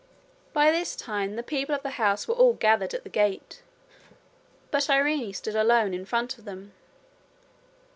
By this time the people of the house were all gathered at the gate, but Irene stood alone in front of them.